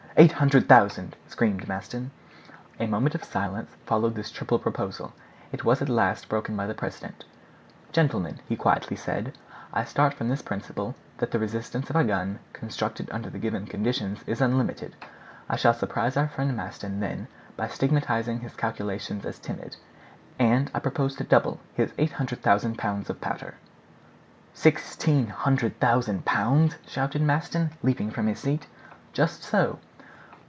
"Eight hundred thousand," screamed Maston. A moment of silence followed this triple proposal; it was at last broken by the president. "Gentlemen," he quietly said, "I start from this principle, that the resistance of a gun, constructed under the given conditions, is unlimited. I shall surprise our friend Maston, then, by stigmatizing his calculations as timid; and I propose to double his 800,000 pounds of powder." "Sixteen hundred thousand pounds?" shouted Maston, leaping from his seat. "Just so."